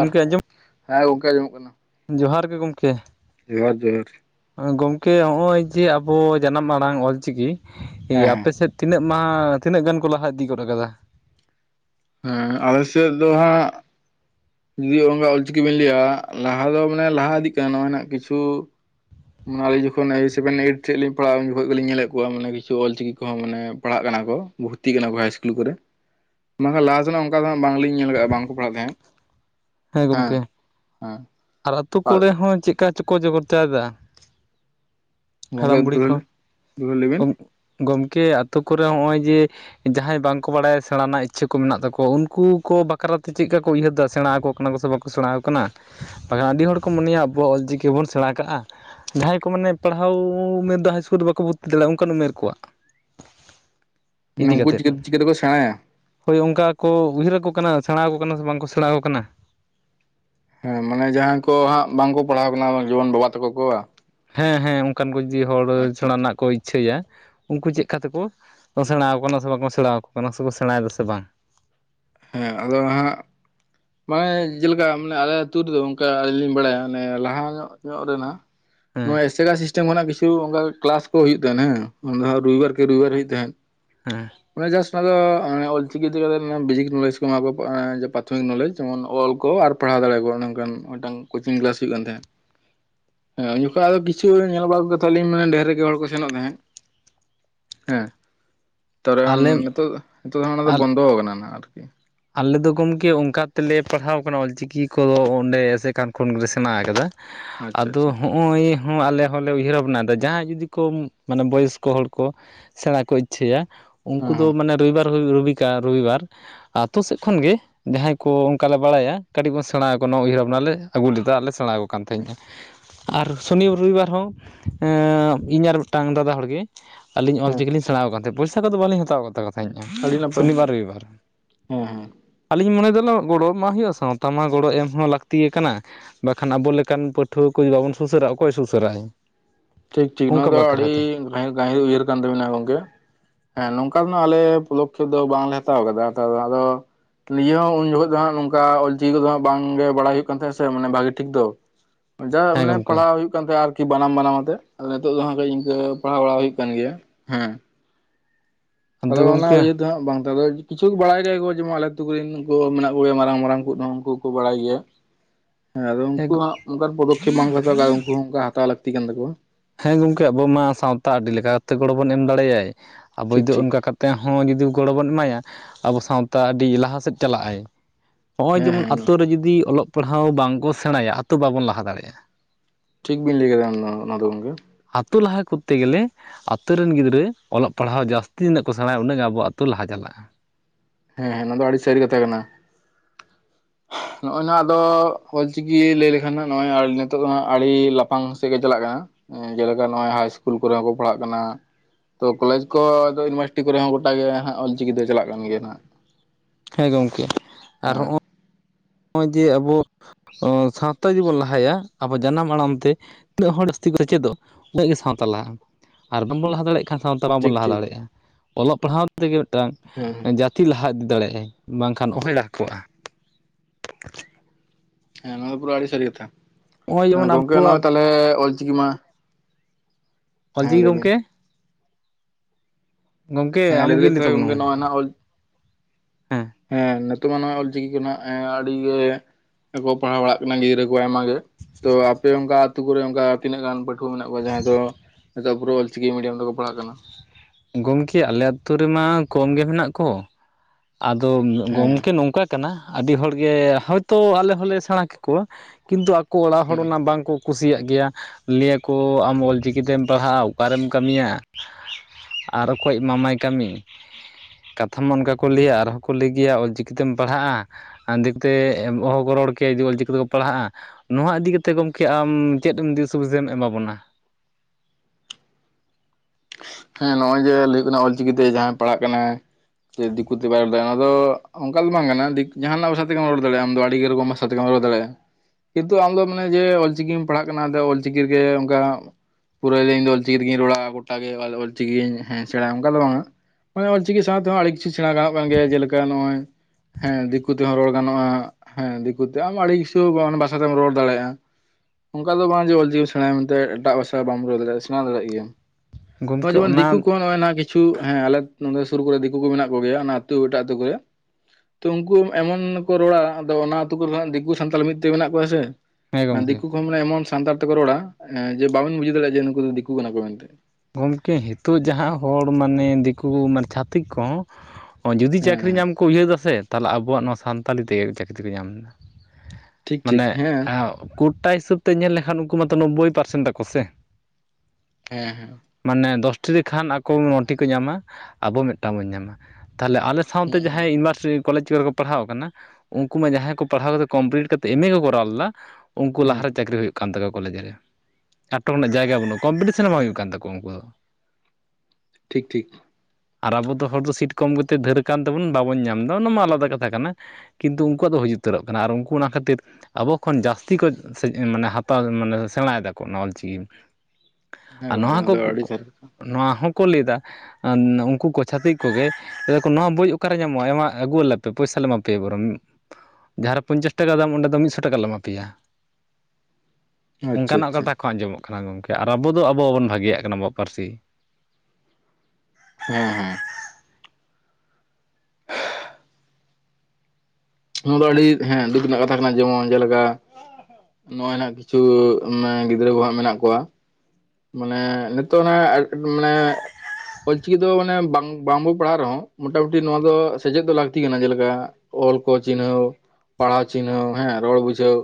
ᱟᱨ ᱟᱸᱡᱚᱢ ᱦᱮᱸ ᱜᱚᱝᱠᱮ ᱟᱸᱚᱢᱚᱜ ᱠᱟᱱᱟ᱾ ᱡᱚᱦᱟᱨ ᱜᱮ ᱜᱚᱝᱠᱮ, ᱡᱚᱦᱟᱨ ᱡᱚᱦᱟᱨ, ᱜᱚᱢᱠᱮ ᱱᱚᱜᱼᱚᱭ ᱡᱮ ᱟᱵᱚ ᱡᱟᱱᱟᱢ ᱟᱲᱟᱝ ᱚᱞᱪᱤᱠᱤ ᱦᱮᱸ ᱟᱯᱮ ᱦᱮᱸ ᱥᱮᱫ, ᱛᱤᱱᱟᱹᱜ ᱢᱟᱦᱟ ᱛᱤᱱᱟᱹᱜ ᱜᱟᱱ ᱠᱚ ᱞᱟᱦᱟ ᱤᱫᱤ ᱜᱚᱫ ᱟᱠᱟᱫᱟ? ᱦᱮᱸ ᱟᱞᱮ ᱥᱮᱫ ᱫᱚ ᱦᱟᱸᱜ, ᱡᱩᱫᱤ ᱚᱸᱠᱟ ᱚᱞ ᱪᱤᱠᱤ ᱵᱤᱱ ᱞᱟᱹᱭᱟ ᱞᱟᱦᱟ ᱫᱚ ᱢᱟᱱᱮ ᱞᱟᱦᱟ ᱤᱫᱤᱜ ᱠᱟᱱᱟ ᱱᱚᱜᱼᱚ ᱱᱷᱟᱸᱜ ᱠᱤᱪᱷᱩ, ᱢᱟᱱᱮ ᱟᱞᱮ ᱡᱚᱠᱷᱚᱱ ᱟ. ᱭᱤᱴ ᱥᱮᱵᱮᱱ ᱟᱹᱭᱤᱴ ᱥᱮᱫ ᱞᱤᱧ ᱯᱟᱲᱦᱟᱜᱼᱟ, ᱩᱱ ᱡᱚᱠᱷᱚᱡ ᱜᱮᱞᱤᱧ ᱧᱮᱞᱮᱫ ᱠᱚᱣᱟ ᱢᱟᱱᱮ ᱠᱤᱪᱷᱩ ᱚᱞ ᱪᱤᱠᱤ ᱠᱚᱦᱚᱸ ᱢᱟᱱᱮ ᱯᱟᱲᱦᱟᱜ ᱠᱟᱱᱟ ᱠᱚ᱾ ᱵᱷᱩᱨᱛᱤ ᱠᱟᱱᱟ ᱠᱚ ᱦᱟᱭ ᱤᱥᱠᱩᱞ ᱠᱚᱨᱮ᱾ ᱵᱟᱝ ᱠᱷᱟᱱ ᱞᱟᱦᱟ ᱥᱮᱱᱟᱜ ᱚᱸᱠᱟ ᱫᱚ ᱦᱟᱸᱜ ᱵᱟᱝ ᱞᱤᱧ ᱧᱮᱞ ᱟᱠᱟᱜᱼᱟ, ᱵᱟᱝᱠᱚ ᱯᱟᱲᱦᱟᱜ ᱛᱟᱦᱮᱸᱫ, ᱦᱮᱸ ᱜᱚᱝᱠᱮ ᱦᱮᱸ ᱟᱨ ᱟᱹᱛᱩ ᱠᱚᱨᱮ ᱦᱚᱸ ᱪᱮᱜ ᱠᱟ ᱪᱚᱠᱚ ᱡᱚᱜᱚᱨᱪᱟ ᱦᱟᱫᱟᱜᱼᱟ, ᱜᱚᱝᱠᱮ ᱦᱟᱲᱟᱢ ᱵᱩᱰᱷᱤ ᱠᱚ᱾ ᱫᱩᱞᱟᱹᱲ ᱫᱩᱞᱟᱹᱲ ᱞᱟᱹᱭᱵᱤᱱ ᱜᱚᱢᱠᱮ ᱟᱹᱛᱩ ᱠᱚᱨᱮ ᱦᱚᱸᱜᱼᱚᱭ ᱡᱮ, ᱡᱟᱦᱟᱸᱭ ᱵᱟᱝ ᱠᱚ ᱵᱟᱲᱟᱭᱟ ᱥᱮᱬᱟ ᱨᱮᱱᱟᱜ ᱤᱪᱪᱷᱟᱹ ᱠᱚ ᱢᱮᱱᱟᱜ ᱛᱟᱠᱚᱣᱟ ᱩᱱᱠᱩ ᱠᱚ ᱵᱟᱠᱷᱨᱟ ᱛᱮ ᱪᱮᱫ ᱠᱟ ᱠᱚ ᱩᱭᱦᱟᱹᱨ ᱮᱫᱟ ᱥᱮᱬᱟ ᱟᱠᱚ, ᱠᱟᱱᱟ ᱠᱚᱥᱮ ᱵᱟᱠᱚ ᱥᱮᱬᱟᱣ ᱠᱟᱱᱟ, ᱵᱟᱠᱷᱟᱱ ᱟᱹᱰᱤ ᱦᱚᱲ ᱠᱚ ᱢᱚᱱᱮᱭᱟ ᱟᱵᱚᱣᱟᱜ ᱚᱞ ᱪᱤᱠᱤ ᱵᱚᱱ ᱥᱮᱬᱟ ᱠᱟᱜᱼᱟ, ᱡᱟᱦᱟᱸᱭ ᱠᱚ ᱢᱟᱱᱮ ᱯᱟᱲᱦᱟᱣ ᱩᱻᱢᱮᱨ ᱫᱚ ᱦᱟᱭ ᱤᱥᱠᱩᱞ ᱨᱮ ᱵᱟᱠᱚ ᱵᱷᱩᱨᱛᱤ ᱫᱟᱲᱮᱭᱟᱜᱼᱟ ᱚᱸᱠᱟᱱ ᱩᱢᱮᱨ ᱠᱚᱣᱟᱜ᱾ [inaudible] ᱱᱩᱝᱠᱩ ᱪᱤᱠᱟᱹᱛ ᱪᱤᱠᱟᱹ ᱛᱮᱠᱚ ᱥᱮᱬᱟᱭᱟ, ᱦᱳᱭ ᱚᱸᱠᱟ ᱠᱚ ᱩᱭᱦᱟᱹᱨ ᱟᱠᱚ ᱠᱟᱱᱟ ᱥᱮᱬᱟ ᱟᱠᱚ ᱠᱟᱱᱟ ᱥᱮ ᱵᱟᱝᱠᱚ ᱥᱮᱬᱟ ᱟᱠᱚ ᱠᱟᱱᱟ᱾ ᱦᱮᱸ ᱢᱟᱱᱮ ᱡᱟᱦᱟᱸᱭ ᱠᱚ ᱦᱟᱸᱜ ᱵᱟᱝᱠᱚ ᱯᱟᱲᱦᱟᱣ ᱟᱠᱟᱱᱟ ᱚᱱᱟ ᱡᱩᱣᱟᱹᱱ ᱵᱟᱵᱟ ᱛᱟᱠᱚ ᱛᱮᱠᱚ ᱠᱚ᱾ ᱦᱮᱸ ᱦᱮᱸ ᱚᱸᱠᱟᱱ ᱠᱚ ᱡᱤ ᱦᱚᱲ ᱟᱪᱪᱷᱟ ᱥᱮᱸᱲᱟ ᱟᱪᱪᱷᱟ ᱨᱮᱱᱟᱜ ᱠᱚ ᱤᱡ ᱪᱷᱟᱹᱭᱟ ᱩᱱᱠᱩ ᱪᱮᱫ ᱠᱟ ᱛᱮᱠᱚ ᱥᱮᱬᱟ ᱠᱟᱱᱟ ᱠᱚ ᱥᱮ ᱵᱟᱸᱠᱚ ᱥᱮᱬᱟ ᱟᱠᱚ ᱠᱟᱱᱟ ᱥᱮᱠᱚ ᱥᱮᱬᱟᱭᱮᱫᱟ ᱥᱮ ᱵᱟᱝ? ᱦᱮᱸ ᱟᱫᱚ ᱱᱷᱟᱸᱜ ᱢᱟᱱᱮ ᱡᱮᱞᱮᱠᱟ ᱢᱟᱱᱮ ᱟᱞᱮ ᱟᱹᱛᱩ ᱨᱮᱫᱚ ᱚᱸᱠᱟ ᱟᱹᱞᱤᱧ ᱞᱤᱧ ᱵᱟᱲᱟᱭᱟ ᱚᱱᱮ ᱞᱟᱦᱟ ᱧᱚᱜ ᱧᱚᱜ ᱨᱮᱱᱟ ᱦᱮᱸ ᱱᱚᱣᱟ ᱮᱥᱮᱠᱟ ᱥᱤᱥᱴᱟᱢ ᱜᱮ ᱱᱷᱟᱸᱜ ᱵᱮᱥᱤ ᱠᱚ ᱚᱸᱠᱟ ᱠᱮᱞᱟᱥ ᱠᱚ ᱦᱩᱭᱩᱜ ᱛᱟᱦᱮᱸᱱᱼᱟᱸ, ᱢᱟᱲᱟᱝ ᱫᱷᱟᱣ ᱨᱩᱭ ᱵᱟᱨ ᱠᱮ ᱨᱩᱭ ᱵᱟᱨ ᱦᱩᱭᱩᱜ ᱛᱟᱦᱮᱸᱫ᱾ ᱦᱮᱸ ᱾ ᱚᱱᱟ ᱡᱟᱥᱴ ᱚᱱᱟ ᱫᱚ ᱮᱸ ᱚᱞᱪᱤᱠᱤ ᱛᱮᱜᱮ ᱚᱱᱮ ᱵᱮᱥᱤᱠ ᱱᱚᱞᱮᱡᱽ ᱠᱚ ᱮᱢᱟ ᱠᱚ, ᱮᱸ ᱯᱟᱛᱷᱳᱢᱤᱠ ᱱᱚᱞᱮᱡᱽ᱾ ᱡᱮᱢᱚᱱ ᱚᱞ ᱠᱚ ᱟᱨ ᱯᱟᱲᱦᱟᱣ ᱫᱟᱲᱮᱭᱟᱠᱚ ᱚᱱᱮ ᱚᱝᱠᱟᱱ ᱢᱤᱫᱴᱟᱝ ᱠᱳᱪᱤᱝ ᱠᱮᱞᱟᱥ ᱦᱩᱭᱩᱜ ᱠᱟᱱ ᱛᱟᱦᱮᱸᱫ᱾ ᱦᱮᱸ ᱩᱱ ᱡᱚᱠᱷᱟᱡ ᱟᱫᱚ ᱠᱤᱪᱷᱩ ᱧᱮᱞ ᱵᱟᱲᱟ ᱠᱚᱜᱮ ᱛᱟᱦᱮᱸ ᱞᱤᱧ ᱢᱟᱱᱮ ᱰᱮᱦᱮᱨ ᱜᱮ ᱦᱚᱲ ᱠᱚ ᱥᱮᱱᱚᱜ ᱛᱟᱦᱮᱸᱫ, ᱦᱮᱸ, ᱛᱟᱨᱳᱱ ᱟᱞᱮ ᱱᱤᱛᱚᱜ ᱱᱤᱛᱚᱜ ᱫᱚ ᱦᱟᱸᱜ ᱚᱱᱟ ᱫᱚ ᱵᱚᱸᱫᱚ ᱟᱠᱟᱱᱟ ᱟᱨ- ᱟᱞᱮ ᱫᱚ ᱜᱚᱢᱠᱮ ᱚᱸᱠᱟ ᱛᱮᱞᱮ ᱯᱟᱲᱦᱟᱣ ᱟᱠᱟᱱᱟ ᱚᱞ ᱪᱤᱠᱤ ᱠᱚᱫᱚ ᱚᱸᱰᱮ ᱥᱮ ᱠᱟᱱ ᱠᱷᱚᱱ ᱜᱮᱞᱮ ᱥᱮᱱᱟ ᱦᱟᱠᱟᱫᱟ, ᱟᱪᱪᱷᱟ ᱟᱫᱚ ᱟᱪᱪᱷᱟ ᱦᱚᱸᱜ ᱚᱸᱭ ᱦᱚᱸ ᱟᱞᱮ ᱦᱚᱞᱮ ᱩᱭᱦᱟᱹᱨ ᱵᱷᱟᱵᱽᱱᱟ ᱮᱫᱟ ᱡᱟᱦᱟᱸᱭ ᱡᱩᱫᱤ ᱠᱚ ᱢᱟᱱᱮ ᱵᱚᱭᱚᱥ ᱠᱚ ᱦᱚᱲ ᱠᱚ ᱥᱮᱬᱟ ᱠᱚᱭ ᱤᱪᱷᱟᱹᱭᱟ ᱩᱸᱠᱩ ᱦᱮᱸ ᱦᱮᱸ ᱫᱚ ᱢᱟᱱᱮ ᱨᱩᱭᱵᱟᱨ ᱨᱩ ᱨᱚᱵᱤᱠᱟ ᱨᱚᱵᱤᱵᱟᱨ ᱟᱹᱛᱩ ᱥᱮᱜ ᱠᱷᱚᱱ ᱜᱮ ᱡᱟᱦᱟᱸᱭ ᱠᱚ ᱚᱸᱠᱟ ᱞᱮ ᱵᱟᱲᱟᱭᱟ ᱠᱟᱹᱴᱤᱡ ᱵᱚᱱ ᱥᱮᱬᱟ ᱟᱠᱚ ᱱᱚᱣᱟ ᱩᱭᱦᱟᱹᱨ ᱵᱟᱵᱽᱱᱟ ᱞᱮ ᱟᱹᱜᱩ ᱞᱮᱫᱟ, ᱟᱨ ᱞᱮ ᱥᱮᱬᱟ ᱟᱠᱚ ᱠᱟᱱ ᱛᱟᱦᱮᱸᱡᱼᱟ᱾ ᱟᱨ ᱥᱚᱱᱤ ᱣᱚ ᱨᱩᱭᱵᱟᱨ ᱦᱚᱸ, ᱮᱸ ᱤᱧ ᱟᱨ ᱢᱮᱫᱴᱟᱝ ᱫᱟᱫᱟ ᱦᱚᱲ ᱜᱮ, ᱟᱹᱞᱤᱧ ᱚᱞ ᱦᱮᱸ ᱪᱤᱠᱤ ᱞᱤᱧ ᱥᱮᱬᱟ ᱟᱠᱚ ᱠᱟᱱ ᱛᱟᱦᱮᱸ, ᱯᱩᱭᱥᱟᱹ ᱠᱚᱫᱚ ᱵᱟᱹᱞᱤᱧ ᱦᱟᱛᱟᱣ ᱟᱠᱟᱫ ᱛᱟᱠᱚ ᱛᱟᱦᱮᱸᱡᱼᱟ, ᱥᱚᱱᱤᱵᱟᱨ ᱨᱚᱵᱤᱵᱟᱨ᱾ ᱦᱩᱸ ᱦᱩᱸ, ᱟᱹᱞᱤᱧ ᱢᱚᱱᱮ ᱫᱚ ᱞᱚ ᱜᱚᱲᱚ ᱢᱟ ᱦᱩᱭᱩᱜᱼᱟ, ᱥᱟᱶᱛᱟ ᱢᱟ ᱜᱚᱲᱚ ᱮᱢ ᱦᱚᱸ ᱞᱟᱹᱠᱛᱤ ᱜᱮ ᱠᱟᱱᱟ᱾ ᱵᱟᱠᱷᱟᱱ ᱟᱵᱚ ᱞᱮᱠᱟᱱ ᱯᱟᱹᱴᱷᱣᱟᱹ ᱠᱚ ᱡᱩᱫᱤ ᱵᱚᱵᱚᱱ ᱥᱩᱥᱟᱨᱟ, ᱚᱠᱚᱭ ᱥᱩᱥᱟᱹᱨᱟᱭ᱾ ᱴᱷᱤᱠ ᱴᱷᱤᱠ ᱚᱱᱠᱟ ᱱᱚᱣᱟ ᱫᱚ ᱵᱟᱠᱷᱨᱟ ᱟᱹᱰᱤ ᱛᱮ ᱜᱟᱺᱦᱤᱸ ᱜᱟᱹᱦᱤᱨ ᱩᱭᱦᱟᱹᱨ ᱠᱟᱱ ᱛᱟᱹᱵᱤᱱᱟ ᱜᱚᱝᱠᱮ᱾ ᱦᱮᱸ ᱱᱚᱝᱠᱟ ᱨᱮᱱᱟᱜ ᱟᱞᱮ ᱯᱷᱚᱞᱚᱠ ᱨᱮᱫᱚ ᱵᱟᱝ ᱞᱮ ᱦᱟᱛᱟᱣ ᱟᱠᱟᱫᱟ ᱦᱟᱛᱟᱣ ᱫᱚ ᱟᱫᱚ ᱞᱤᱭᱳᱝ ᱩᱱ ᱡᱚᱠᱷᱚᱡ ᱫᱚ ᱦᱟᱸᱜ ᱱᱚᱝᱠᱟ ᱚᱞ ᱪᱤᱠᱤ ᱠᱚᱫᱚ ᱦᱟᱸᱜ ᱵᱟᱝ ᱜᱮ ᱵᱟᱲᱟᱭ ᱦᱩᱭᱩᱜ ᱠᱟᱱ ᱛᱟᱦᱮᱸᱫ ᱥᱮ ᱢᱟᱱᱮ ᱵᱷᱟᱹᱜᱤ ᱴᱷᱤᱠ ᱫᱚ, [inaudible] ᱡᱟ ᱟ ᱢᱟᱱᱮ ᱜᱚᱢᱠᱮ ᱯᱟᱲᱦᱟᱣ ᱦᱩᱭᱩᱜ ᱠᱟᱱ ᱛᱟᱸᱦᱮᱜ ᱟᱨᱠᱤ ᱵᱟᱱᱟᱢ ᱵᱟᱱᱟᱢ ᱟᱛᱮ, ᱟᱫᱚ ᱱᱤᱛᱚᱜ ᱫᱚ ᱦᱟᱸᱜ ᱠᱟᱹᱡ ᱤᱸᱠᱟᱹ ᱯᱟᱲᱦᱟᱣ ᱵᱟᱲᱟ ᱦᱩᱭᱩᱜ ᱠᱟᱱ ᱜᱮᱭᱟ, ᱦᱮᱸ᱾ ᱟᱫᱚ ᱚᱱᱟ ᱩᱭᱦᱟᱹᱨ ᱫᱚ ᱦᱟᱸᱜ ᱵᱟᱝ ᱛᱟᱦᱮᱸ ᱫᱚ ᱠᱤᱪᱷᱩᱠ ᱵᱟᱲᱟᱭ ᱜᱮᱭᱟ ᱠᱚ ᱡᱮᱢᱚᱱ ᱟᱞᱮ ᱟᱹᱛᱩ ᱠᱚᱨᱤᱱ ᱩᱱᱠᱩ ᱢᱮᱱᱟᱜ ᱠᱚᱜᱮᱭᱟ ᱢᱟᱨᱟᱝ ᱢᱟᱨᱟᱝ ᱩᱱ ᱠᱩᱫ ᱦᱚᱸ ᱩᱱᱠᱩ ᱠᱚ ᱵᱟᱲᱟᱭ ᱜᱮᱭᱟ᱾ [inaudible] ᱦᱮᱸ ᱟᱫᱚ ᱩᱱᱠᱩ ᱦᱟᱸᱜ ᱚᱱᱠᱟᱱ ᱯᱚᱫᱚᱠᱷᱮᱯ ᱵᱟᱝ ᱠᱚ ᱦᱟᱛᱟᱣ ᱠᱟᱫᱟ ᱩᱱᱠᱩ ᱦᱚᱸ ᱚᱱᱠᱟ ᱦᱟᱛᱟᱣ ᱞᱟᱹᱠᱛᱤ ᱠᱟᱱ ᱛᱟᱠᱚᱣᱟ ᱾ ᱦᱮᱸ ᱜᱚᱢᱠᱮ ᱟᱵᱚ ᱢᱟ ᱥᱟᱶᱛᱟ ᱟᱹᱰᱤ ᱞᱮᱠᱟ ᱠᱟᱛᱮ ᱜᱚᱲᱚ ᱵᱚᱱ ᱮᱢ ᱫᱟᱲᱮᱭᱟᱭ ᱟᱵᱚ ᱴᱷᱤᱠ ᱡᱩᱫᱤ ᱴᱷᱤᱠ ᱚᱱᱠᱟ ᱠᱟ ᱛᱮᱦᱚᱸ ᱡᱩᱫᱤ ᱜᱚᱲᱚ ᱵᱚᱱ ᱮᱢᱟᱭᱟ ᱾ ᱟᱵᱚ ᱥᱟᱶᱛᱟ ᱟᱹᱰᱤ ᱞᱟᱦᱟ ᱥᱮᱫ ᱪᱟᱞᱟᱜᱼᱟᱭ ᱾ ᱦᱚᱜᱼᱚᱭ ᱦᱮᱸ ᱡᱮᱢᱚᱱ ᱦᱮᱸ ᱟᱛᱳ ᱨᱮ ᱡᱩᱫᱤ ᱚᱞᱚᱜ ᱯᱟᱲᱦᱟᱣ ᱵᱟᱝ ᱠᱚ ᱥᱮᱬᱟᱭᱟ ᱟᱛᱳ ᱵᱟᱵᱚᱱ ᱞᱟᱦᱟ ᱫᱟᱲᱮᱜᱼᱟ ᱾ ᱴᱷᱤᱠ ᱵᱤᱱ ᱞᱟᱹᱭ ᱠᱟᱫᱟ ᱚᱱᱟ ᱫᱚ ᱜᱚᱢᱠᱮ ᱾ ᱟᱛᱳ ᱞᱟᱦᱟ ᱠᱚᱛᱛᱮ ᱜᱮᱞᱮ ᱟᱛᱳ ᱨᱮᱱ ᱜᱤᱫᱽᱨᱟᱹ ᱚᱞᱚᱜ ᱯᱟᱲᱦᱟᱣ ᱡᱟᱥᱛᱤ ᱛᱤᱱᱟᱹᱜ ᱠᱚ ᱥᱮᱬᱟᱸᱭᱟ ᱩᱱᱟᱹᱜ ᱜᱮ ᱟᱵᱚ ᱟᱹᱛᱩ ᱞᱟᱦᱟ ᱪᱟᱞᱟᱜᱼᱟ ᱾ ᱦᱮᱸ ᱦᱮᱸ ᱚᱱᱟ ᱫᱚ ᱟᱹᱰᱤ ᱥᱟᱹᱨᱤ ᱠᱟᱛᱷᱟ ᱠᱟᱱᱟ ᱾ [unintelligible] ᱱᱚᱜᱼᱚᱭ ᱱᱟᱭᱟ ᱟᱫᱚ ᱚᱞᱪᱤᱠᱤ ᱞᱟᱹᱭ ᱞᱮᱠᱷᱟᱱ ᱱᱟᱜ ᱱᱚᱜᱼᱚᱭ ᱱᱤᱛᱚᱜ ᱫᱚ ᱦᱟᱸᱜ ᱟᱹᱰᱤ ᱞᱟᱯᱷᱟᱝ ᱥᱮᱫ ᱜᱮ ᱪᱟᱞᱟᱜ ᱠᱟᱱᱟ ᱾ ᱡᱮᱞᱮᱠᱟ ᱱᱚᱜᱼᱚᱭ ᱦᱟᱭ ᱤᱥᱠᱩᱞ ᱠᱚᱨᱮ ᱦᱚᱸᱠᱚ ᱯᱟᱲᱦᱟᱜ ᱠᱟᱱᱟ ᱾ ᱛᱚ ᱠᱚᱞᱮᱡᱽ ᱠᱚ ᱫᱚ ᱤᱭᱩᱱᱤᱵᱷᱟᱨᱥᱤᱴᱤ ᱠᱚᱨᱮ ᱦᱚᱸ ᱜᱚᱴᱟ ᱜᱮ ᱦᱟᱸᱜ ᱚᱞᱪᱤᱠᱤ ᱫᱚ ᱪᱟᱞᱟᱜ ᱠᱟᱱ ᱜᱮᱭᱟ ᱱᱟᱜ ᱾ ᱦᱮᱸ ᱜᱚᱝᱠᱮ ᱟᱨ ᱦᱮᱸ ᱦᱚᱜᱼᱚᱭ ᱚᱭ ᱡᱮ ᱟᱵᱚ ᱥᱟᱶᱛᱟ ᱡᱩᱫᱤᱵᱚᱱ ᱞᱟᱦᱟᱭᱟ ᱟᱵᱚ ᱡᱟᱱᱟᱢ ᱟᱲᱟᱝ ᱛᱮ ᱛᱤᱱᱟᱹᱜ ᱦᱚᱲ ᱡᱟᱹᱥᱛᱤ ᱠᱚ ᱥᱮᱪᱮᱫᱚᱜ ᱩᱱᱟᱹᱜ ᱜᱮ ᱥᱟᱶᱛᱟ ᱞᱟᱦᱟᱜᱼᱟ ᱟᱨ ᱵᱟᱝ ᱵᱚᱱ ᱞᱟᱦᱟ ᱫᱟᱲᱮᱜ ᱠᱷᱟᱱ ᱥᱟᱶ ᱵᱟᱝ ᱵᱚᱱ ᱴᱷᱤᱠ ᱞᱟᱦᱟ ᱴᱷᱤᱠ ᱫᱟᱲᱮᱮᱜᱼᱟ ᱾ ᱚᱞᱚᱜ ᱯᱟᱲᱦᱟᱣ ᱛᱮᱜᱮ ᱢᱤᱫᱴᱟᱝ ᱦᱮᱸ ᱦᱮᱸ ᱡᱟᱹ ᱛᱤ ᱞᱟᱦᱟ ᱤᱫᱤ ᱫᱟᱲᱮᱜᱼᱟᱭ ᱵᱟᱝᱠᱷᱟᱱ ᱚᱦᱚᱭ ᱞᱟᱦᱟ ᱠᱚᱜᱼᱟ ᱾ [unintelligible] ᱦᱮᱸ ᱱᱚᱣᱟ ᱫᱚ ᱯᱩᱨᱟᱹ ᱟᱹᱰᱤ ᱥᱟᱹᱨᱤ ᱠᱟᱛᱷᱟ ᱱᱚᱜᱼᱚᱭ ᱡᱮᱢᱚᱱ ᱾ ᱜᱚᱝᱠᱮ ᱟᱵᱚᱣᱟᱜ ᱱᱚᱜᱼᱚᱭ ᱛᱟᱦᱚᱞᱮ ᱚᱞᱪᱤᱠᱤ ᱢᱟ ᱦᱮᱸ ᱚᱞᱪᱤᱠᱤ ᱞᱟᱹᱭ ᱵᱤᱱ ᱜᱚᱝᱠᱮ ᱜᱚᱝᱠᱮ ᱟᱢᱜᱮ ᱞᱟᱹᱭ ᱛᱟᱵᱚᱱᱢᱮ ᱾ ᱚᱱᱟ ᱚᱞ ᱦᱮᱸ ᱱᱤᱛᱚᱜ ᱢᱟ ᱱᱚᱜ-ᱚᱭ ᱚᱞᱪᱤᱠᱤ ᱠᱨᱮᱱᱟᱜ ᱟᱹᱰᱤ ᱜᱮ ᱠᱚ ᱯᱟᱲᱦᱟᱣ ᱵᱟᱲᱟᱜ ᱠᱟᱱᱟ ᱜᱤᱫᱽᱨᱟᱹ ᱠᱚ ᱟᱭᱢᱟ ᱜᱮ ᱾ ᱛᱚ ᱟᱯᱮ ᱚᱱᱠᱟ ᱟᱹᱛᱩ ᱠᱚᱨᱮ ᱚᱱᱠᱟ ᱛᱤᱱᱟᱹᱜ ᱜᱟᱱ ᱯᱟᱹᱴᱷᱩᱣᱟᱹ ᱢᱮᱱᱟᱜ ᱠᱚᱣᱟ ᱡᱟᱦᱟᱸᱭ ᱫᱚ ᱱᱮᱛᱟᱨ ᱯᱩᱨᱟᱹ ᱚᱞᱪᱤᱠᱤ ᱢᱤᱭᱤᱟᱢ ᱛᱮᱠᱚ ᱯᱟᱲᱦᱟᱜ ᱠᱟᱱᱟ? ᱜᱚᱢᱠᱮ ᱟᱞᱮ ᱟᱹᱛᱩ ᱨᱮᱢᱟ ᱠᱚᱢ ᱜᱮ ᱦᱮᱱᱟᱜ ᱠᱚ ᱾ ᱟᱫᱚ ᱦᱮᱸ ᱜᱚᱢᱠᱮ ᱱᱚᱝᱠᱟ ᱠᱟᱱᱟ ᱟᱹᱰᱤ ᱦᱚᱲᱜᱮ ᱦᱳᱭᱛᱳ ᱟᱞᱮ ᱦᱚᱸᱞᱮ ᱥᱮᱬᱟ ᱠᱮᱠᱚᱣᱟ ᱠᱤᱱᱛᱩ ᱟᱠᱚ ᱚᱲᱟᱜ ᱦᱚᱲ ᱦᱮᱸ ᱚᱱᱟ ᱵᱟᱝ ᱠᱚ ᱠᱩᱥᱤᱭᱟᱜ ᱜᱮᱭᱟ ᱾ ᱞᱟᱹᱭ ᱟᱠᱚ ᱟᱢ ᱚᱞᱪᱤᱠᱤ ᱛᱮᱢ ᱯᱟᱲᱦᱟᱜᱼᱟ ᱚᱠᱟᱨᱮᱢ ᱠᱟᱹᱢᱤᱭᱟ? ᱟᱨ ᱚᱠᱚᱭ ᱮᱢᱟᱢᱟᱭ ᱠᱟᱹᱢᱤ? ᱠᱟᱛᱷᱟ ᱢᱟ ᱚᱱᱠᱟ ᱠᱚ ᱞᱟᱹᱭᱟ ᱟᱨᱦᱚᱸ ᱠᱚ ᱞᱟᱹᱭ ᱜᱮᱭᱟ ᱚᱞᱪᱤᱠᱤ ᱛᱮᱢ ᱯᱟᱲᱦᱟᱜᱼᱟ ᱟᱨ ᱫᱤᱠᱩᱛᱮ ᱚᱦᱚ ᱠᱚ ᱨᱚᱲ ᱠᱮᱭᱟ ᱡᱩᱫᱤ ᱚᱞ ᱪᱤᱠᱤ ᱛᱮᱠᱚ ᱯᱟᱲᱦᱟᱜᱼᱟ ᱾ ᱱᱚᱣᱟ ᱤᱫᱤ ᱠᱟᱛᱮ ᱜᱚᱢᱠᱮ ᱟᱢ ᱪᱮᱫ ᱮᱢ ᱫᱤᱥ ᱥᱩᱫᱤᱥᱮᱢ ᱮᱢᱟ ᱵᱚᱱᱟ ᱾ ᱦᱮᱸ ᱱᱚᱜᱼᱚᱭ ᱡᱮ ᱞᱟᱹᱭ ᱦᱩᱭᱩᱜ ᱠᱟᱱᱟ ᱚᱞᱪᱤᱠᱤ ᱛᱮ ᱡᱟᱦᱟᱸᱭ ᱯᱟᱲᱦᱟᱜ ᱠᱟᱱᱟᱭ ᱡᱮ ᱫᱤᱠᱩ ᱛᱮ ᱵᱟᱭ ᱨᱚᱲ ᱫᱟᱲᱭᱟᱜᱼᱟ ᱟᱫᱚ ᱫᱤᱠᱩᱛᱮ ᱵᱟᱭ [inaudible] ᱚᱱᱠᱟ ᱫᱚ ᱵᱟᱝ ᱠᱟᱱᱟ ᱡᱟᱦᱟᱱᱟᱜ ᱵᱷᱟᱥᱟ ᱛᱮᱜᱮᱢ ᱨᱚᱲ ᱫᱟᱲᱮᱜᱼᱟ ᱟᱢ ᱫᱚ ᱟᱹᱰᱤ ᱜᱮ ᱨᱚᱠᱚᱢ ᱵᱷᱟᱥᱟ ᱛᱮᱜᱮᱢ ᱨᱚᱲ ᱫᱟᱲᱮᱜᱼᱟ ᱾ ᱠᱤᱱᱛᱩ ᱟᱢ ᱫᱚ ᱢᱟᱱᱮ ᱡᱮ ᱚᱞᱪᱤᱠᱤᱢ ᱯᱟᱲᱦᱟᱜ ᱠᱟᱱᱟ ᱟᱫᱚ ᱚᱞᱪᱤᱠᱤ ᱨᱮᱜᱮ ᱚᱱᱠᱟ- ᱯᱩᱨᱟᱹ ᱜᱮ ᱤᱧ ᱫᱚ ᱚᱞᱪᱤᱠᱤ ᱛᱮᱜᱤᱧ ᱨᱚᱲᱟ ᱜᱚᱴᱟ ᱜᱮ ᱚᱞᱪᱤᱠᱤ ᱦᱮᱸ ᱥᱮᱬᱟᱭᱟ ᱚᱱᱠᱟ ᱫᱚ ᱵᱟᱝᱟ ᱢᱟᱱᱮ ᱚᱞᱪᱤᱠᱤ ᱥᱟᱶᱛᱮᱦᱚᱸ ᱟᱹᱰᱤ ᱠᱤᱪᱷᱩ ᱥᱮᱬᱟ ᱜᱟᱱᱚᱜ ᱠᱟᱱ ᱜᱮᱭᱟ ᱡᱮᱞᱮᱠᱟ ᱱᱚᱜᱼᱚᱭ ᱦᱮᱸ ᱫᱤᱠᱩ ᱛᱮᱦᱚᱸ ᱨᱚᱲ ᱜᱟᱱᱚᱜᱼᱟ ᱾ ᱦᱮᱸ ᱫᱤᱠᱩ ᱛᱮ ᱟᱢ ᱟᱹᱰᱤ ᱠᱤᱪᱷᱩ ᱵᱷᱟᱥᱟ ᱛᱮᱢ ᱨᱚᱲ ᱫᱟᱲᱮᱜᱼᱟ ᱾ ᱚᱱᱠᱟ ᱫᱚ ᱵᱟᱝ ᱡᱮ ᱚᱞ ᱪᱤᱠᱤ ᱥᱮᱬᱟᱭᱟ ᱢᱮᱱᱛᱮ ᱮᱴᱟᱜ ᱵᱷᱟᱥᱟ ᱵᱟᱢ ᱨᱚᱲ ᱫᱟᱲᱮᱜᱼᱟ ᱥᱮᱬᱟᱸ ᱫᱟᱲᱮᱜ ᱜᱮᱭᱟᱢ ᱾ ᱱᱚᱜᱼᱚᱭ ᱜᱚᱢᱠᱮ ᱡᱮᱢᱚᱱ ᱫᱤᱠᱩ ᱚᱱᱟ ᱠᱚᱦᱚᱸ ᱱᱚᱜᱼᱚᱭ ᱱᱚᱭᱟ ᱠᱤᱪᱷᱩ ᱦᱮᱸ ᱟᱞᱮ ᱥᱩᱨ ᱠᱚᱨᱮ ᱫᱤᱠᱩ ᱠᱚ ᱢᱮᱱᱟᱜ ᱠᱚᱜᱮᱭᱟ ᱚᱱᱟ ᱟᱹᱛᱩ ᱮᱴᱟᱜ ᱟᱹᱛᱩ ᱠᱚᱨᱮ ᱛᱚ ᱩᱱᱠᱩ ᱮᱢᱚᱱ ᱠᱚ ᱨᱚᱲᱟ ᱟᱫᱚ ᱚᱱᱟ ᱟᱹᱛᱩ ᱠᱚᱨᱮ ᱦᱟᱸᱜ ᱫᱤᱠᱩ ᱥᱟᱱᱛᱟᱞ ᱢᱤᱫ ᱛᱮ ᱢᱮᱱᱟᱜ ᱠᱚᱣᱟ ᱥᱮ ᱦᱮᱸ ᱜᱚᱢᱠᱮ ᱫᱤᱠᱩ ᱠᱚᱦᱚᱸ ᱢᱟᱱᱮ ᱮᱢᱚᱱ ᱥᱟᱱᱛᱟᱲ ᱛᱮᱠᱚ ᱨᱚᱲᱟ ᱡᱮ ᱵᱟᱵᱤᱱ ᱵᱩᱡᱷᱟᱹᱣ ᱫᱟᱲᱮᱜᱼᱟ ᱡᱮ ᱱᱠᱠᱩ ᱫᱚ ᱫᱤᱠᱩ ᱠᱟᱱᱟ ᱠᱚ ᱢᱮᱱᱛᱮ᱾ ᱜᱚᱢᱠᱮ ᱦᱤᱛᱚᱜ ᱡᱟᱦᱟᱸ ᱦᱚᱲ ᱢᱟᱱᱮ ᱫᱤᱠᱩ ᱢᱟᱱᱮ ᱪᱷᱟᱹᱛᱤᱠ ᱠᱚ ᱦᱚᱸ ᱡᱩᱫᱤ ᱦᱮᱸ ᱪᱟᱹᱠᱨᱤ ᱦᱮᱸ ᱧᱟᱢ ᱠᱚ ᱩᱭᱦᱟᱹᱨ ᱫᱟᱥᱮ ᱛᱟᱦᱚᱞᱮ ᱟᱵᱚᱣᱟᱜ ᱱᱚᱣᱟ ᱥᱟᱱᱛᱟᱞᱤ ᱛᱮᱜᱮ ᱪᱟᱹᱠᱨᱤ ᱠᱚ ᱧᱟᱢᱫᱟ᱾ ᱴᱷᱤᱠ ᱴᱷᱤᱠ ᱢᱟᱱᱮ ᱦᱮᱸ ᱠᱳᱴᱟ ᱦᱤᱥᱟᱹᱵ ᱛᱮ ᱧᱮᱞ ᱞᱮᱠᱷᱟᱱ ᱩᱱᱠᱩ ᱢᱟᱛᱚ ᱱᱳᱵᱵᱳᱭ ᱯᱟᱨᱥᱮᱱ ᱛᱟᱠᱚ ᱥᱮ᱾ ᱦᱮᱸ ᱦᱮᱸ᱾ ᱢᱟᱱᱮ ᱫᱚᱥᱴᱤ ᱨᱮᱠᱷᱟᱱ ᱟᱠᱚ ᱱᱚᱴᱤ ᱠᱚ ᱧᱟᱢᱟ ᱟᱵᱚ ᱢᱤᱫᱴᱟᱝ ᱵᱚᱱ ᱧᱟᱢᱟ ᱛᱟᱦᱚᱞᱮ ᱟᱞᱮ ᱥᱟᱶᱛᱮ ᱦᱮᱸ ᱡᱟᱦᱟᱸᱭ ᱤᱭᱩᱱᱤᱵᱷᱟᱨᱥᱤᱴᱤ ᱠᱚᱞᱮᱡᱽ ᱠᱚᱨᱮ ᱠᱚ ᱯᱟᱲᱦᱟᱣ ᱠᱟᱱᱟ ᱩᱱᱠᱩ ᱢᱟ ᱡᱟᱦᱟᱸᱭ ᱠᱚ ᱯᱟᱲᱦᱟᱣ ᱠᱟᱛᱮ ᱠᱚᱢᱯᱞᱤᱤᱴ ᱠᱟᱛᱮ ᱮᱢ ᱮ ᱠᱚ ᱠᱚᱨᱟᱣ ᱞᱮᱫᱟ ᱩᱱᱠᱩ ᱦᱮᱸ ᱞᱟᱦᱟᱨᱮ ᱪᱟᱹᱠᱨᱤ ᱦᱩᱭᱩᱜ ᱠᱟᱱ ᱛᱟᱠᱚᱣᱟ ᱠᱚᱞᱮᱡᱽ ᱨᱮ ᱟᱴᱚᱠ ᱨᱮᱱᱟᱜ ᱡᱟᱭᱜᱟ ᱵᱟᱹᱱᱩᱜᱼᱟ ᱠᱚᱢᱯᱤᱴᱤᱥᱚᱱ ᱵᱟᱝ ᱦᱩᱭᱩᱜ ᱠᱟᱱ ᱛᱟᱠᱚᱣᱟ᱾ ᱩᱱᱠᱩ ᱫᱚ ᱾ ᱴᱷᱤᱠ ᱴᱷᱤᱠ᱾ ᱟᱨ ᱟᱵᱚ ᱫᱚ ᱦᱚᱲ ᱫᱚ ᱥᱤᱴ ᱠᱚᱢ ᱜᱮᱛᱮ ᱫᱷᱟᱹᱨ ᱟᱠᱟᱱ ᱛᱮᱵᱚᱱ ᱵᱟᱵᱚᱱ ᱧᱟᱢᱫᱟ ᱚᱱᱟ ᱢᱟ ᱟᱞᱟᱫᱟ ᱠᱟᱛᱷᱟ ᱠᱟᱱᱟ᱾ ᱠᱤᱱᱛᱩ ᱩᱱᱠᱩᱣᱟᱜ ᱫᱚ ᱦᱩᱭ ᱩᱛᱟᱹᱨᱚᱜ ᱠᱟᱱᱟ ᱟᱨ ᱩᱱᱠᱩ ᱚᱱᱟ ᱠᱷᱟᱹᱛᱤᱨ ᱟᱵᱚ ᱠᱷᱚᱱ ᱡᱟᱹᱥᱛᱤ ᱠᱚ ᱢᱟᱱᱮ ᱦᱟᱛᱟᱣ ᱢᱟᱱᱮ ᱥᱮᱬᱟᱭ ᱫᱟᱠᱚ ᱚᱱᱟ ᱚᱞᱪᱤᱠᱤ᱾ ᱦᱮᱸ ᱟᱨ ᱜᱚᱝᱠᱮ ᱱᱚᱣᱟ ᱚᱱᱟ ᱫᱚ ᱠᱚ ᱟᱹᱰᱤ ᱥᱟᱨᱤ ᱱᱚᱣᱟ ᱦᱚᱸᱠᱚ ᱞᱟᱹᱭᱫᱟ ᱩᱱᱠᱩ ᱠᱚ ᱪᱷᱟᱹᱛᱤᱠ ᱠᱚᱜᱮ ᱱᱚᱣᱟ ᱵᱳᱭ ᱚᱠᱟᱨᱮ ᱧᱟᱢᱚᱜᱼᱟ ᱮᱢᱟ ᱟᱹᱜᱩ ᱟᱞᱮᱯᱮ ᱯᱚᱭᱥᱟ ᱞᱮ ᱮᱢᱟ ᱯᱮᱭᱟ ᱵᱚᱨᱚᱱ ᱢᱤ ᱡᱟᱦᱟᱸᱨᱮ ᱯᱚᱧᱪᱟᱥ ᱴᱟᱠᱟ ᱫᱟᱢ ᱚᱸᱰᱮ ᱫᱚ ᱢᱤᱫᱥᱚ ᱴᱟᱠᱟ ᱞᱮ ᱮᱢᱟ ᱯᱮᱭᱟ᱾ ᱠᱟᱛᱷᱟ᱾ ᱟᱪᱪᱷᱟ ᱚᱱᱠᱟᱱᱟᱜ ᱟᱪᱪᱷᱟ ᱠᱟᱛᱷᱟ ᱠᱚ ᱟᱸᱡᱚᱢᱚᱜ ᱠᱟᱱᱟ ᱜᱚᱢᱠᱮ ᱟᱨ ᱟᱵᱚ ᱫᱚ ᱟᱵᱚ ᱵᱟᱵᱚᱱ ᱵᱷᱟᱹᱜᱤᱭᱟᱜ ᱠᱟᱱᱟ ᱟᱵᱚᱣᱟᱜ ᱯᱟᱹᱨᱥᱤ᱾ ᱦᱮ ᱦᱮ ᱾ ᱱᱚᱣᱟ ᱫᱚ ᱟᱹᱰᱤ ᱦᱮᱸ ᱫᱩᱠ ᱨᱮᱱᱟᱜ ᱠᱟᱛᱷᱟ ᱠᱟᱱᱟ ᱡᱮᱢᱚᱱ ᱡᱮᱞᱮᱠᱟ ᱱᱚᱜᱼᱚᱭ ᱱᱟᱜ ᱠᱤᱪᱷᱩ ᱜᱤᱫᱽᱨᱟᱹ ᱠᱚ ᱦᱟᱸᱜ ᱢᱮᱱᱟᱜ ᱠᱚᱣᱟ᱾ ᱢᱟᱱᱮ ᱱᱤᱛᱚᱜ ᱚᱱᱟ ᱢᱟᱱᱮ ᱚᱞ ᱪᱤᱠᱤ ᱫᱚ ᱢᱟᱱᱮ ᱵᱟᱝ ᱵᱟᱝᱵᱚ ᱯᱟᱲᱦᱟᱜ ᱨᱮᱦᱚᱸ ᱢᱚᱴᱟᱢᱩᱴᱤ ᱱᱚᱣᱟ ᱫᱚ ᱥᱮᱪᱮᱫ ᱫᱚ ᱞᱟᱹᱠᱛᱤ ᱠᱟᱱᱟ ᱡᱮᱞᱮᱠᱟ ᱚᱞ ᱠᱚ ᱪᱤᱱᱦᱟᱹᱣ ᱯᱟᱲᱦᱟᱣ ᱪᱤᱱᱦᱟᱹᱣ ᱦᱮᱸ ᱨᱚᱲ ᱵᱩᱡᱷᱟᱹᱣ᱾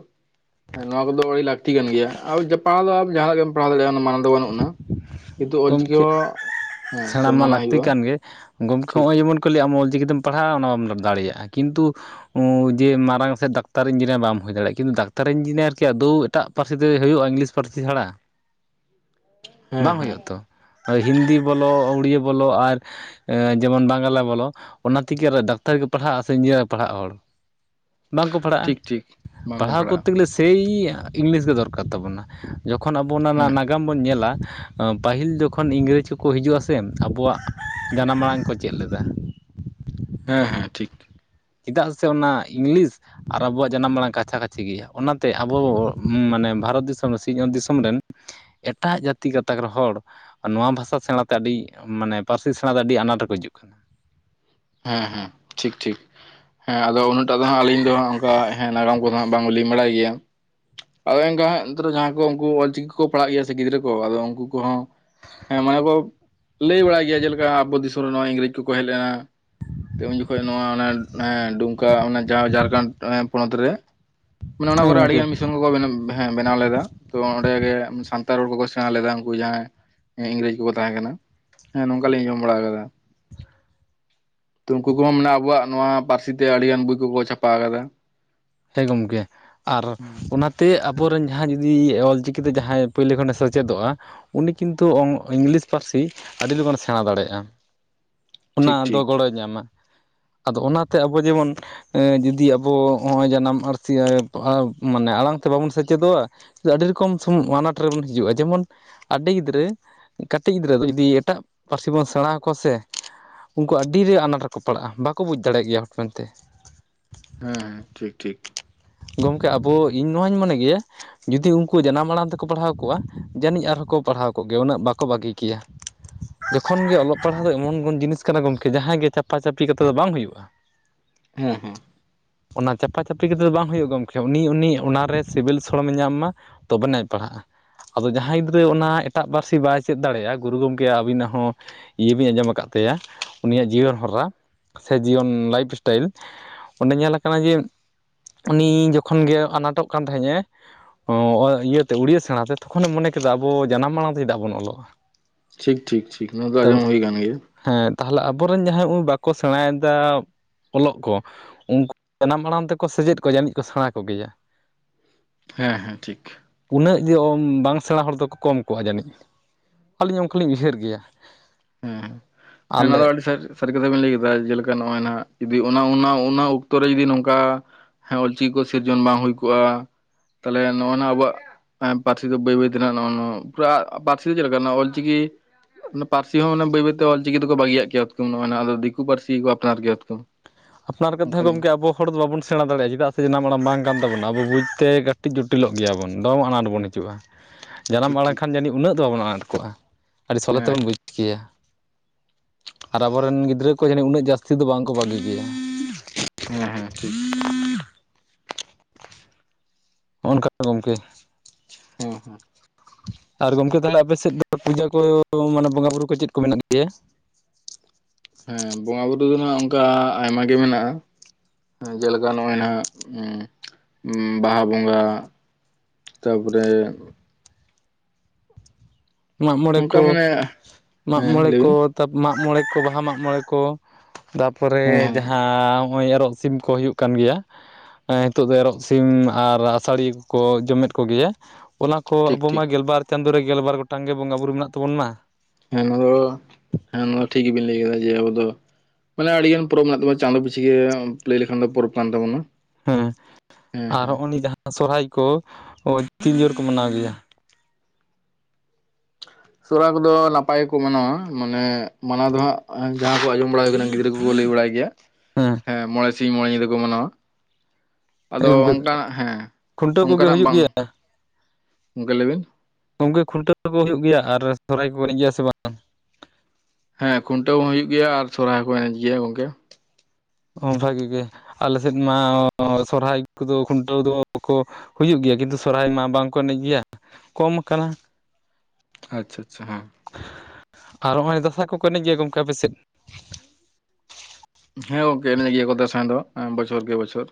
ᱦᱮᱸ ᱱᱚᱣᱟ ᱠᱚᱫᱚ ᱟᱹᱰᱤ ᱞᱟᱹᱠᱛᱤ ᱠᱟᱱ ᱜᱮᱭᱟ ᱟ ᱯᱟᱲᱦᱟᱣ ᱫᱚ ᱟᱢ ᱡᱟᱦᱟᱸ ᱨᱮᱜᱮᱢ ᱯᱟᱲᱦᱟᱣ ᱫᱟᱲᱮᱭᱟᱜᱼᱟ ᱚᱱᱟ ᱫᱚ ᱢᱟᱱᱟᱣ ᱫᱚ ᱵᱟᱹᱱᱩᱜ ᱟᱱᱟ᱾ ᱠᱤᱱᱛᱩ ᱚᱞᱪᱤᱠᱤ ᱜᱚᱢᱠᱮ ᱦᱚᱸ ᱦᱮᱸ ᱥᱮᱬᱟ ᱢᱟ ᱥᱚᱱᱢᱟᱱᱟᱜ ᱞᱟᱹᱠᱛᱤ ᱦᱩᱭᱩᱜᱼᱟ ᱠᱟᱱ ᱜᱮ ᱜᱚᱢᱠᱮ ᱴᱷᱤᱠ ᱦᱚᱸᱜᱼᱚᱭ ᱡᱮᱢᱚᱱ ᱠᱚ ᱞᱟᱹᱭᱟ ᱟᱢ ᱚᱞ ᱪᱤᱠᱤ ᱛᱮᱢ ᱯᱟᱲᱦᱟᱜᱼᱟ ᱚᱱᱟ ᱵᱟᱢ ᱫᱟᱲᱮᱭᱟᱜᱼᱟ ᱠᱤᱱᱛᱩ ᱡᱮ ᱢᱟᱨᱟᱝ ᱥᱮ ᱰᱟᱠᱛᱟᱨ ᱤᱧᱡᱤᱱᱤᱭᱟᱨ ᱵᱟᱢ ᱦᱩᱭ ᱫᱟᱲᱮᱭᱟᱜᱼᱟ ᱠᱤᱱᱛᱩ ᱰᱟᱠᱛᱟᱨ ᱤᱧᱡᱤᱱᱤᱭᱟᱨ ᱠᱤ ᱟᱫᱚᱣ ᱮᱴᱟᱜ ᱯᱟᱹᱨᱥᱤ ᱛᱮ ᱦᱩᱭᱩᱜᱼᱟ ᱤᱝᱞᱤᱥ ᱯᱟᱹᱨᱥᱤ ᱥᱮᱲᱟ ᱦᱮᱸ ᱵᱟᱝ ᱦᱮᱸ ᱦᱩᱭᱩᱜᱼᱟ᱾ ᱦᱤᱱᱫᱤ ᱵᱚᱞᱚ ᱩᱲᱤᱭᱟᱹ ᱵᱚᱞᱚ ᱟᱨ ᱡᱮᱢᱚᱱ ᱵᱟᱝᱞᱟ ᱵᱚᱞᱚ ᱚᱱᱟ ᱛᱮᱜᱮ ᱰᱟᱠᱛᱟᱨ ᱠᱚ ᱯᱟᱲᱦᱟᱜᱼᱟ ᱥᱮ ᱤᱧᱡᱤᱱᱤᱭᱟᱨ ᱠᱚ ᱯᱟᱲᱦᱟᱜ ᱦᱚᱲ? ᱵᱟᱝᱠᱚ ᱯᱟᱲᱦᱟᱜᱼᱟ ᱴᱷᱤᱠ ᱴᱷᱤᱠ ᱵᱟᱝᱵᱚᱱ ᱯᱟᱲᱦᱟᱣ ᱯᱟᱲᱦᱟᱜᱼᱟ ᱠᱚᱨᱛᱮ ᱜᱮᱞᱮ ᱥᱮᱭ ᱤᱝᱞᱤᱥ ᱜᱮ ᱫᱚᱨᱠᱟᱨ ᱛᱟᱵᱚᱱᱟ ᱡᱚᱠᱷᱚᱱ ᱟᱵᱚ ᱚᱱᱟ ᱨᱮᱱᱟᱜ ᱦᱮᱸ ᱱᱟᱜᱟᱢ ᱵᱚᱱ ᱧᱮᱞᱟ ᱯᱟᱹᱦᱤᱞ ᱡᱚᱠᱷᱚᱱ ᱤᱝᱨᱮᱡᱽ ᱠᱚᱠᱚ ᱦᱤᱡᱩᱜᱼᱟ ᱥᱮ ᱟᱵᱚᱣᱟᱜ ᱡᱟᱱᱟᱢ ᱟᱲᱟᱝ ᱠᱚ ᱪᱮᱫ ᱞᱮᱫᱟ᱾ ᱦᱮᱸ ᱦᱮᱸ ᱴᱷᱤᱠ᱾ ᱪᱮᱫᱟᱜ ᱥᱮ ᱚᱱᱟ ᱤᱝᱞᱤᱥ ᱟᱨ ᱟᱵᱚᱣᱟᱜ ᱡᱟᱱᱟᱢ ᱟᱲᱟᱝ ᱠᱟᱪᱷᱟ ᱠᱟᱪᱷᱤ ᱜᱮᱭᱟ, ᱚᱱᱟᱛᱮ ᱟᱵᱚ ᱢᱟᱱᱮ ᱵᱷᱟᱨᱚᱛ ᱫᱤᱥᱚᱢ ᱨᱮ ᱥᱤᱧᱚᱛ ᱫᱤᱥᱚᱢ ᱨᱮᱱ ᱮᱴᱟᱜ ᱡᱟᱹᱛᱤ ᱜᱟᱛᱟᱠ ᱨᱮᱱ ᱦᱚᱲ ᱟᱨ ᱱᱚᱣᱟ ᱵᱷᱟᱥᱟ ᱥᱮᱬᱟᱛᱮ ᱟᱹᱰᱤ ᱢᱟᱱᱮ ᱯᱟᱹᱨᱥᱤ ᱥᱮᱬᱟ ᱫᱚ ᱟᱹᱰᱤ ᱟᱱᱟᱴ ᱨᱮᱠᱚ ᱦᱤᱡᱩᱜ ᱠᱟᱱᱟ᱾ ᱦᱮᱸ ᱦᱮᱸ ᱴᱷᱤᱠ ᱴᱷᱤᱠ ᱦᱮᱸ ᱟᱫᱚ ᱩᱱᱟᱹᱜᱴᱟ ᱫᱚ ᱦᱟᱸᱜ ᱟᱞᱤᱧ ᱫᱚ ᱚᱱᱠᱟ ᱦᱮᱸ ᱱᱟᱜᱟᱢ ᱠᱚ ᱦᱟᱸᱜ ᱵᱟᱝ ᱞᱟᱹᱧ ᱵᱟᱲᱟᱭ ᱜᱮᱭᱟ᱾ ᱟᱫᱚ ᱮᱱᱠᱟ ᱦᱮᱸᱜ ᱮᱱᱛᱮ ᱨᱮᱦᱚᱸ ᱡᱟᱦᱟᱸᱭ ᱠᱚ ᱩᱱᱠᱩ ᱚᱞᱪᱤᱠᱤ ᱠᱚᱠᱚ ᱯᱟᱲᱦᱟᱜ ᱜᱮᱭᱟ ᱥᱮ ᱜᱤᱫᱽᱨᱟᱹ ᱠᱚ ᱟᱫᱚ ᱩᱱᱠᱩ ᱠᱚᱦᱚᱸ ᱦᱮᱸ ᱢᱟᱱᱮ ᱠᱚ ᱞᱟᱹᱭ ᱵᱟᱲᱟᱭ ᱜᱮᱭᱟ ᱡᱮᱞᱮᱠᱟ ᱟᱵᱚ ᱫᱤᱥᱚᱢ ᱨᱮ ᱱᱚᱜᱼᱚᱭ ᱤᱝᱨᱮᱡᱽ ᱠᱚᱠᱚ ᱦᱮᱡ ᱞᱮᱱᱟ᱾ ᱛᱚ ᱩᱱ ᱡᱚᱠᱷᱚᱡ ᱱᱚᱣᱟ ᱚᱱᱟ ᱰᱩᱢᱠᱟ ᱚᱱᱟ ᱡᱟᱦᱟᱸ ᱡᱷᱟᱲᱠᱷᱚᱸᱰ ᱯᱚᱱᱚᱛ ᱨᱮ ᱢᱟᱱᱮ ᱚᱱᱟ ᱦᱮᱸ ᱠᱚᱨᱮ ᱜᱚᱢᱠᱮ ᱟᱹᱰᱤᱜᱟᱱ ᱢᱤᱥᱚᱱ ᱠᱚ ᱠᱚ ᱦᱮᱸ ᱵᱮᱱᱟᱣ ᱞᱮᱫᱟ ᱛᱚ ᱚᱸᱰᱮ ᱜᱮ ᱥᱟᱱᱛᱟᱲ ᱨᱚᱲ ᱠᱚ ᱠᱚ ᱥᱮᱬᱟ ᱞᱮᱫᱟ ᱩᱱᱠᱩ ᱡᱟᱦᱟᱸᱭ ᱦᱮᱸ ᱤᱝᱨᱮᱡ ᱠᱚᱠᱚ ᱛᱟᱦᱮᱸ ᱠᱟᱱᱟ ᱦᱮᱸ ᱱᱚᱝᱠᱟᱞᱤᱧ ᱟᱡᱚᱢ ᱵᱟᱲᱟ ᱟᱠᱟᱫᱟ᱾ ᱛᱚ ᱩᱱᱠᱩ ᱠᱚᱦᱚᱸ ᱢᱟᱱᱮ ᱟᱵᱚᱣᱟᱜ ᱱᱚᱣᱟ ᱯᱟᱹᱨᱥᱤ ᱛᱮ ᱟᱹᱰᱤ ᱜᱟᱱ ᱵᱳᱭ ᱠᱚᱠᱚ ᱪᱷᱟᱯᱟ ᱟᱠᱟᱫᱟ᱾ ᱦᱮᱸ ᱜᱚᱢᱠᱮ᱾ ᱟᱨ ᱚᱱᱟᱛᱮ ᱟᱵᱚᱨᱮᱱ ᱡᱟᱦᱟᱸᱭ ᱡᱩᱫᱤ ᱚᱞ ᱪᱤᱠᱤᱛᱮ ᱡᱟᱦᱟᱸᱭ ᱯᱳᱭᱞᱳ ᱠᱷᱚᱱᱮ ᱥᱮᱪᱮᱫᱚᱜᱼᱟ, ᱩᱱᱤ ᱠᱤᱱᱛᱩ ᱤᱝᱞᱤᱥ ᱯᱟᱹᱨᱥᱤ ᱟᱹᱰᱤ ᱞᱚᱜᱚᱱ ᱮ ᱥᱮᱬᱟ ᱫᱟᱲᱮᱭᱟᱜᱼᱟ ᱾ ᱚᱱᱟ ᱴᱷᱤᱠ ᱫᱚ ᱴᱷᱤᱠ ᱜᱚᱲᱚᱭ ᱧᱟᱢᱟ ᱟᱫᱚ ᱚᱱᱟᱛᱮ ᱟᱵᱚ ᱡᱮᱢᱚᱱ ᱡᱩᱫᱤ ᱟᱵᱚ ᱦᱚᱜ ᱱᱚᱼᱚᱭ ᱡᱟᱱᱟᱢ ᱯᱟᱹᱨᱥᱤ ᱟᱭᱳ ᱢᱟᱱᱮ ᱟᱲᱟᱝᱛᱮ ᱵᱟᱵᱚᱱ ᱥᱮᱪᱮᱫᱚᱜᱼᱟ? ᱟᱹᱰᱤ ᱨᱚᱠᱚᱢ ᱥᱚᱢᱚᱭ ᱟᱱᱟᱴ ᱨᱮᱵᱚᱱ ᱦᱤᱡᱩᱜᱼᱟ ᱡᱮᱢᱚᱱ ᱟᱹᱰᱤ ᱜᱤᱫᱽᱨᱟᱹ ᱠᱟᱹᱴᱤᱡ ᱜᱤᱫᱽᱨᱟᱹ ᱫᱚ ᱡᱩᱫᱤ ᱮᱴᱟᱜ ᱯᱟᱹᱨᱥᱤ ᱵᱚᱱ ᱥᱮᱬᱟ ᱟᱠᱚᱣᱟ ᱥᱮ ᱩᱱᱠᱩᱣᱟᱜ ᱟᱹᱰᱤ ᱨᱮ ᱟᱱᱟᱴ ᱨᱮᱠᱚ ᱯᱟᱲᱟᱜᱼᱟ ᱵᱟᱠᱚ ᱵᱩᱡᱽ ᱫᱟᱲᱮᱭᱟᱜ ᱜᱮᱭᱟ ᱦᱚᱴᱢᱮᱱᱛᱮ ᱾ ᱦᱮᱸ ᱦᱮᱸ ᱴᱷᱤᱠ ᱴᱷᱤᱠ ᱾ ᱜᱚᱢᱠᱮ ᱟᱵᱚ ᱤᱧ ᱱᱚᱣᱟᱧ ᱢᱚᱱᱮ ᱜᱮᱭᱟ ᱡᱩᱫᱤ ᱩᱱᱠᱩ ᱡᱟᱱᱟᱢ ᱟᱲᱟᱝ ᱛᱮᱠᱚ ᱯᱟᱲᱦᱟᱣ ᱠᱚᱜᱼᱟ ᱡᱟᱹᱱᱤᱡ ᱟᱨᱦᱚᱸᱠᱚ ᱯᱟᱲᱦᱟᱣ ᱠᱚᱜᱮᱭᱟ ᱩᱱᱟᱹᱜ ᱵᱟᱠᱚ ᱵᱟᱹᱜᱤ ᱠᱮᱭᱟ ᱾ ᱡᱚᱠᱷᱚᱱ ᱜᱮ ᱚᱞᱚᱜ ᱯᱟᱲᱦᱟᱜ ᱫᱚ ᱮᱢᱚᱱ ᱜᱚᱱ ᱡᱤᱱᱤᱥ ᱠᱟᱱᱟ ᱜᱚᱝᱠᱮ ᱡᱟᱦᱟᱸᱭ ᱜᱮ ᱪᱟᱯᱟᱼᱪᱟᱯᱤ ᱠᱟᱛᱮ ᱫᱚ ᱵᱟᱝ ᱦᱩᱭᱩᱜᱼᱟ᱾ ᱦᱮᱸ ᱦᱮᱸ᱾ ᱚᱱᱟ ᱪᱟᱯᱟ ᱪᱟᱯᱤ ᱠᱟᱛᱮᱮᱫ ᱫᱚ ᱵᱟᱝ ᱦᱩᱭᱩᱜ ᱜᱚᱢᱠᱮ ᱩᱱᱤ ᱩᱱᱤ ᱚᱱᱟᱨᱮ ᱥᱤᱵᱤᱞ ᱥᱚᱲᱚᱢᱮ ᱧᱟᱢ ᱢᱟ ᱛᱚᱵᱮᱱᱟᱭ ᱯᱟᱲᱦᱟᱜᱼᱟ ᱾ ᱟᱫᱚ ᱡᱟᱦᱟᱸᱭ ᱜᱤᱫᱽᱨᱟᱹ ᱚᱱᱟ ᱮᱴᱟᱜ ᱯᱟᱹᱨᱥᱤ ᱵᱟᱭ ᱪᱮᱫ ᱫᱟᱲᱮᱭᱟᱜᱼᱟ ᱜᱩᱨᱩ ᱜᱚᱢᱠᱮ ᱟᱹᱵᱤᱱᱟᱜ ᱦᱚᱸ ᱤᱭᱟᱹ ᱵᱤᱧ ᱟᱸᱡᱚᱢ ᱟᱠᱟᱫ ᱛᱟᱭᱟ ᱩᱱᱤᱭᱟᱜ ᱡᱤᱭᱚᱱ ᱦᱚᱨᱟ ᱥᱮ ᱡᱤᱭᱚᱱ ᱞᱟᱭᱤᱯᱷ ᱤᱥᱴᱟᱭᱤᱞ, ᱚᱸᱰᱮ ᱧᱮᱞᱟᱠ ᱡᱮ ᱩᱱᱤ ᱡᱚᱠᱷᱚᱱ ᱜᱮ ᱟᱱᱟᱴᱚᱜ ᱠᱟᱱ ᱛᱟᱦᱮᱸᱱᱮᱜ ᱮ ᱤᱭᱟᱹᱛᱮ ᱩᱲᱭᱟᱹ ᱥᱮᱬᱟ ᱛᱮ ᱛᱚᱠᱷᱚᱱᱮ ᱢᱚᱱᱮ ᱠᱮᱫᱟ ᱟᱵᱚ ᱡᱟᱱᱟᱢ ᱢᱟᱲᱟᱝ ᱛᱮ ᱪᱮᱫᱟᱜ ᱵᱚᱱ ᱚᱞᱚᱜᱼᱟ ᱴᱷᱤᱠ ᱴᱷᱤᱠ ᱴᱷᱤᱠ ᱱᱚᱣᱟ ᱫᱚ ᱛᱚ ᱟᱸᱡᱚᱢ ᱦᱩᱭ ᱟᱠᱟᱱ ᱜᱮᱭᱟ ᱾ ᱦᱮᱸ ᱛᱟᱦᱚᱞᱮ ᱟᱵᱚᱨᱮᱱ ᱡᱟᱦᱟᱸᱭ ᱵᱟᱠᱚ ᱥᱮᱬᱟᱭᱮᱫᱟ ᱚᱞᱚᱜ ᱠᱚ ᱩᱱᱠᱩ ᱡᱟᱱᱟᱢ ᱟᱲᱟᱝ ᱛᱮᱠᱚ ᱥᱮᱪᱮᱫ ᱠᱚ ᱡᱟᱹᱱᱤᱡ ᱠᱚ ᱥᱮᱬᱟ ᱠᱚᱜᱮᱭᱟ᱾ ᱦᱮᱸ ᱦᱮᱸ ᱴᱷᱤᱠ᱾ ᱩᱱᱟᱹᱜ ᱡᱮ ᱵᱟᱝ ᱥᱮᱬᱟ ᱦᱚᱲ ᱫᱚᱠᱚ ᱠᱚᱢ ᱠᱚᱜᱼᱟ ᱡᱟᱹᱱᱤᱡ᱾ ᱟᱹᱞᱤᱧ ᱚᱱᱠᱟᱞᱤᱧ ᱩᱭᱦᱟᱹᱨ ᱜᱮᱭᱟ ᱾ ᱦᱮᱸ ᱱᱚᱣᱟ ᱫᱚ ᱟᱹᱰᱤ ᱥᱟᱨ ᱥᱟᱹᱨᱤ ᱠᱟᱛᱷᱟ ᱵᱮᱤᱱ ᱞᱟᱹᱭ ᱠᱮᱫᱟ ᱡᱮᱞᱮᱠᱟ ᱱᱚᱜᱼᱚᱭ ᱱᱟᱱᱟᱜ ᱡᱩᱫᱤ ᱚᱱᱟ ᱚᱱᱟ ᱚᱠᱛᱚ ᱨᱮ ᱡᱩᱫᱤ ᱱᱚᱝᱠᱟ ᱦᱮᱸ ᱚᱞᱪᱤᱠᱤ ᱠᱚ ᱥᱤᱨᱡᱚᱱ ᱵᱟᱝ ᱦᱩᱭ ᱠᱚᱜᱼᱟ ᱛᱟᱦᱚᱞᱮ ᱱᱚᱜᱼᱚ ᱱᱚᱣᱟ ᱟᱵᱚᱣᱟᱜ ᱯᱟᱹᱨᱥᱤ ᱫᱚ ᱵᱟᱹᱭ ᱵᱟᱹᱭ ᱛᱮ ᱱᱚ ᱯᱩᱨᱟ ᱯᱟᱹᱨᱥᱤ ᱫᱚ ᱪᱮᱫ ᱞᱮᱠᱟ ᱚᱞᱪᱤᱠᱤ ᱚᱱᱟ ᱯᱟᱹᱨᱥᱤ ᱦᱚᱸ ᱚᱱᱟ ᱵᱟᱹᱭ ᱵᱟᱹᱭᱛᱮ ᱚᱞ ᱪᱤᱠᱤ ᱫᱚᱠᱚ ᱵᱟᱹᱜᱤᱭᱟᱜ ᱠᱮᱭᱟ ᱦᱚᱠᱠᱩᱢ ᱟᱫᱚ ᱱᱚᱦᱚᱭ ᱟᱫᱚ ᱫᱤᱠᱩ ᱯᱟᱹᱨᱥᱤ ᱜᱮᱠᱚ ᱟᱯᱱᱟᱨ ᱠᱮᱭᱟ [unintelligible] ᱟᱯᱱᱟᱨ ᱠᱟᱛᱮ ᱦᱚ ᱜᱚᱝᱠᱮ ᱟᱵᱚ ᱦᱚᱲ ᱫᱚᱫᱚ ᱵᱟᱵᱚᱱ ᱥᱮᱬᱟ ᱫᱟᱲᱮᱭᱟᱜᱼᱟ ᱪᱮᱫᱟᱜ ᱥᱮ ᱡᱟᱱᱟᱢ ᱟᱲᱟᱝ ᱵᱟᱝ ᱠᱟᱱ ᱛᱟᱵᱚᱱᱟ ᱟᱵᱚ ᱵᱩᱡᱽᱛᱮ ᱠᱟᱹᱴᱤᱡ ᱡᱩᱚᱴᱤᱞᱚᱜ ᱜᱮᱭᱟᱵᱚᱱ ᱫᱚᱢ ᱟᱱᱟᱴ ᱵᱚᱱ ᱦᱤᱡᱩᱜᱼᱟ ᱾ ᱡᱟᱱᱟᱢ ᱴᱷᱤᱠ ᱟᱲᱟᱝ ᱴᱷᱤᱠ ᱠᱷᱟᱱ ᱡᱟᱹᱱᱤᱡ ᱩᱱᱟᱹᱜ ᱫᱚ ᱵᱟᱵᱚᱱ ᱟᱱᱟᱴ ᱠᱚᱜᱼᱟ᱾ ᱟᱹᱰᱤ ᱥᱚᱞᱦᱮ ᱦᱮᱸ ᱛᱮᱵᱚᱱ ᱵᱩᱡᱽ ᱠᱮᱭᱟ ᱟᱨ ᱟᱵᱚ ᱨᱮᱱ ᱜᱤᱫᱽᱨᱟᱹ ᱠᱚ ᱡᱟᱹᱱᱤᱡ ᱩᱱᱟᱹᱜ ᱡᱟᱹᱥᱛᱤ ᱫᱚ ᱵᱟᱝ ᱠᱚ ᱵᱟᱹᱜᱤ ᱠᱮᱭᱟ ᱾ ᱜᱮᱭᱟ [inaudible] ᱦᱮᱸ ᱦᱮᱸ ᱴᱷᱤᱠ᱾ ᱱᱚᱜᱼᱚ ᱱᱚᱝᱠᱟ ᱜᱚᱢᱠᱮ᱾ ᱦᱮᱸ ᱦᱮᱸ ᱟᱨ ᱜᱚᱢᱠᱮ ᱛᱟᱦᱚᱞᱮ ᱟᱯᱮ ᱥᱮᱫ ᱯᱩᱡᱟᱹ ᱠᱚ ᱢᱟᱱᱮ ᱵᱚᱸᱜᱟ ᱵᱩᱨᱩ ᱠᱚ ᱪᱮᱫ ᱠᱚ ᱢᱮᱱᱟᱜ ᱜᱮᱭᱟ? ᱦᱮᱸ ᱵᱚᱸᱜᱟ ᱵᱩᱨᱩ ᱫᱚ ᱱᱟᱜ ᱚᱱᱠᱟ ᱟᱭᱢᱟ ᱜᱮ ᱢᱮᱱᱟᱜᱼᱟ, ᱡᱮᱞᱮᱠᱟ ᱱᱚᱜᱼᱚᱭ ᱱᱟᱦᱟᱜ ᱵᱟᱦᱟ ᱵᱚᱸᱜᱟ ᱛᱟᱯᱚᱨᱮ ᱢᱟᱜᱽ ᱢᱚᱬᱮ ᱚᱱᱠᱟ ᱠᱚ ᱢᱟᱱᱮ ᱢᱟᱜᱽ ᱦᱮᱸ ᱢᱚᱬᱮ ᱞᱟᱹᱭ ᱠᱚ ᱵᱤᱱ ᱛᱟ ᱢᱟᱜᱽᱢᱚᱬᱮ ᱠᱚ ᱵᱟᱦᱟ ᱢᱟᱜᱽ ᱢᱚᱬᱮ ᱠᱚ ᱛᱟᱯᱚᱨᱮ ᱦᱮᱸ ᱦᱮᱸ ᱡᱟᱦᱟᱸ ᱚᱸᱭ ᱮᱨᱚᱜ ᱥᱤᱢ ᱠᱚ ᱦᱩᱭᱩᱜ ᱠᱟᱱ ᱜᱮᱭᱟ᱾ ᱮᱸ ᱦᱤᱛᱚᱜ ᱫᱚ ᱮᱨᱚᱜ ᱥᱤᱢ ᱟᱨ ᱟᱥᱟᱲᱤᱭᱟᱹ ᱠᱚᱠᱚ ᱡᱚᱢᱮᱫ ᱠᱚ ᱜᱮᱭᱟ᱾ ᱚᱱᱟ ᱠᱚ ᱴᱷᱤᱠ ᱟᱵᱚ ᱢᱟ ᱴᱷᱤᱠ ᱜᱮᱞᱵᱟᱨ ᱪᱟᱸᱫᱳ ᱨᱮ ᱜᱮᱞᱵᱟᱨ ᱜᱚᱴᱟᱝ ᱜᱮ ᱵᱚᱸᱜᱟ ᱵᱩᱨᱩ ᱢᱮᱱᱟᱜ ᱛᱟᱵᱚᱱ ᱢᱟ ᱾ ᱦᱮᱸ ᱱᱚᱣᱟᱫᱚ ᱦᱮᱸ ᱱᱚᱣᱟ ᱴᱷᱤᱠ ᱜᱮᱵᱤᱱ ᱞᱟᱹᱭ ᱠᱟᱫᱟ ᱡᱮ ᱟᱵᱚ ᱫᱚ ᱢᱟᱱᱮ ᱟᱹᱰᱤ ᱜᱟᱱ ᱯᱚᱨᱚᱵ ᱢᱮᱱᱟᱜ ᱛᱟᱵᱚ ᱪᱟᱸᱫᱚ ᱯᱤᱪᱷᱤ ᱜᱮ ᱞᱟᱹᱭ ᱞᱮᱠᱷᱟᱱ ᱫᱚ ᱯᱚᱨᱚᱵᱽ ᱠᱟᱱ ᱛᱟᱵᱚᱱᱟ᱾ ᱦᱮᱸ ᱦᱮᱸ ᱟᱨ ᱦᱮᱸ ᱦᱚᱸᱜᱼᱚ ᱱᱤ ᱡᱟᱦᱟᱸ ᱥᱚᱨᱦᱟᱭ ᱠᱚ ᱛᱤᱱ ᱡᱳᱨ ᱠᱚ ᱢᱟᱱᱟᱣ ᱜᱮᱭᱟ? ᱥᱚᱨᱟ ᱠᱚᱫᱚ ᱱᱟᱯᱟᱭ ᱜᱮᱠᱚ ᱢᱟᱱᱟᱣᱟ ᱢᱟᱱᱮ ᱢᱟᱱᱟᱣ ᱫᱚ ᱦᱟᱸᱜ ᱡᱟᱦᱟᱸ ᱠᱚ ᱟᱸᱡᱚᱢ ᱵᱟᱲᱟᱭ ᱠᱟᱱᱟ ᱜᱤᱫᱽᱨᱟᱹ ᱠᱚᱠᱚ ᱞᱟᱹᱭ ᱵᱟᱲᱟᱭ ᱜᱮᱭᱟ ᱦᱮᱸ ᱢᱚᱬᱮ ᱥᱤᱸᱧ ᱢᱚᱬᱮ ᱧᱤᱸᱫᱟᱹ ᱠᱚ ᱢᱟᱱᱟᱣᱟ᱾ ᱟᱫᱚ ᱜᱚᱢᱠᱮ ᱚᱝᱠᱟᱱᱟᱜ ᱦᱮᱸ ᱠᱷᱩᱱᱴᱟᱹᱣ ᱠᱚᱜᱮ ᱚᱝᱠᱟᱱᱟᱜ ᱦᱩᱭᱩᱜ ᱵᱟᱝ ᱜᱮᱭᱟ ᱚᱝᱠᱮ ᱞᱟᱹᱭᱵᱤᱱ ᱜᱚᱝᱠᱮ ᱠᱷᱩᱱᱴᱟᱹᱣ ᱠᱚ ᱦᱩᱭᱩᱜ ᱜᱮᱭᱟ ᱟᱨ ᱥᱚᱨᱟᱭ ᱠᱚ ᱮᱱᱮᱡ ᱜᱮᱭᱟ ᱥᱮ ᱵᱟᱝ? ᱦᱮᱸ ᱠᱷᱩᱱᱴᱟᱹᱣ ᱦᱚᱸ ᱦᱩᱭᱩᱜ ᱜᱮᱭᱟ ᱟᱨ ᱥᱚᱨᱦᱟᱭ ᱦᱚᱸᱠᱚ ᱮᱱᱮᱡ ᱜᱮᱭᱟ ᱜᱚᱝᱠᱮ᱾ ᱚ ᱵᱷᱟᱹᱜᱤ ᱜᱮ ᱟᱞᱮ ᱥᱮᱫ ᱢᱟ ᱥᱚᱨᱦᱟᱭ ᱠᱚᱫᱚ ᱠᱷᱩᱸᱱᱴᱟᱹᱣ ᱫᱚ ᱠᱚ ᱦᱩᱭᱩᱜ ᱜᱮᱭᱟ ᱠᱤᱸᱱᱛᱩ ᱥᱚᱨᱦᱟᱭ ᱢᱟ ᱵᱟᱝᱠᱚ ᱮᱱᱮᱡ ᱜᱮᱭᱟ ᱠᱚᱢ ᱠᱟᱱᱟ᱾ ᱟᱪᱪᱷᱟ ᱟᱪᱪᱷᱟ ᱦᱚᱸ᱾ ᱟᱨ ᱦᱚᱸᱜᱼᱚᱭ ᱫᱟᱸᱥᱟᱭ ᱠᱚᱠᱚ ᱮᱱᱮᱡ ᱜᱮᱭᱟ ᱜᱚᱝᱠᱮ ᱟᱯᱮ ᱥᱮᱫ? ᱦᱮᱸ ᱜᱚᱝᱠᱮ ᱮᱱᱮᱡ ᱜᱮᱭᱟ ᱠᱚ ᱫᱟᱸᱥᱟᱭ ᱫᱚ ᱵᱚᱪᱷᱚᱨ ᱜᱮ ᱵᱚᱪᱷᱚᱨ᱾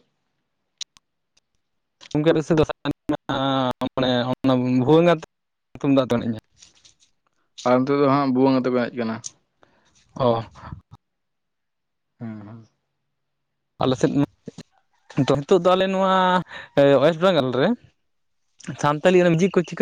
[inaudible] ᱟᱨ ᱱᱚᱸᱛᱮ ᱫᱚ ᱦᱟᱸᱜ ᱵᱩᱣᱟᱹᱝ ᱟᱛᱮ ᱠᱚ ᱮᱱᱮᱡ ᱠᱟᱱᱟ ᱾ ᱚ ᱦᱩᱸ ᱦᱮᱸ ᱟᱞᱮ ᱥᱮᱫ ᱢᱟ [inaudible] ᱱᱤᱛᱚᱜ ᱫᱚ ᱟᱞᱮ ᱱᱚᱣᱟ ᱳᱭᱮᱥᱴ ᱵᱮᱝᱜᱚᱞ ᱨᱮ ᱥᱟᱱᱛᱟᱞᱤ ᱨᱮᱱ [unintelligible] ᱠᱚ ᱪᱤᱠᱟᱹ